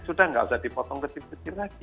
sudah tidak usah dipotong ke tim kecil lagi